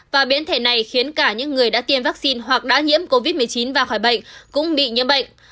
và biến thể này khiến cả những người đã tiêm vaccine hoặc đã nhiễm covid một mươi chín ra khỏi bệnh cũng bị nhiễm bệnh